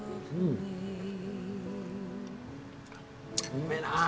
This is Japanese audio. うめえな。